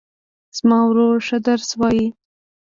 زما ورور ښه درس وایي